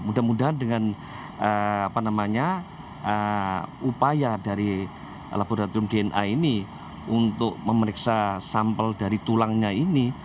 mudah mudahan dengan upaya dari laboratorium dna ini untuk memeriksa sampel dari tulangnya ini